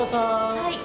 はい。